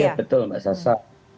iya betul mbak caca